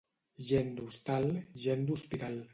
Gent d'hostal, gent d'hospital.